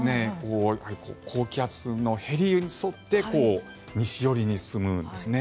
高気圧のへりに沿って西寄りに進むんです。